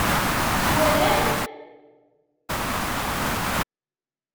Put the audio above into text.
Twalam?